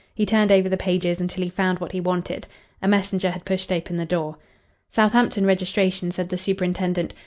He turned over the pages until he found what he wanted. A messenger had pushed open the door. "Southampton registration," said the superintendent.